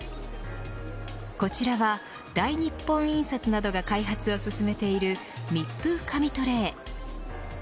こちらは大日本印刷などが開発を進めている密封紙トレー。